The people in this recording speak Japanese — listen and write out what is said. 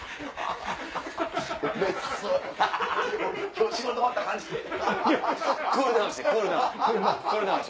今日仕事終わった感じで。